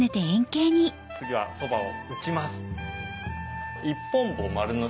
次はそばを打ちます。